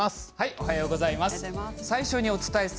おはようございます。